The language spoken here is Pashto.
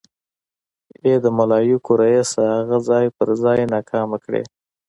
ای د ملايکو ريسه اغه ځای په ځای ناکامه کړې.